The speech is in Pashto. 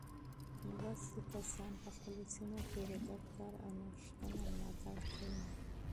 تعلیم یافته کسان په خپلو سیمو کې د ګډ کار او نوښتونو ملاتړ کوي.